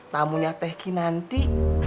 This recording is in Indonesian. tamunya teh kinanti